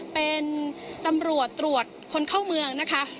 เป็นตำรวจตรวจคนเข้าเมืองนะคะ